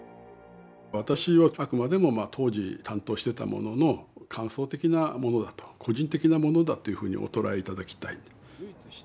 私はあくまでも当時担当してた者の感想的なものだと個人的なものだというふうにお捉え頂きたい。